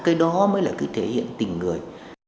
cái đó mới là cái thể hiện tình người